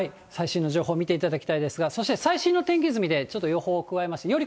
最新の情報見ていただきたいですが、そして最新の天気図を見て、ちょっと予報を加えました。